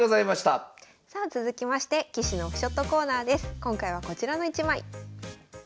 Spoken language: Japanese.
今回はこちらの１枚。